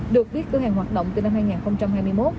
được biết cửa hàng hoạt động từ năm hai nghìn hai mươi một